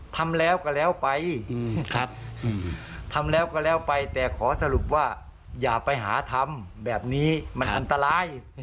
ทำแล้วก็แล้วไปแต่ขอสรุปว่าอย่าไปหาทำแบบนี้มันอันตราย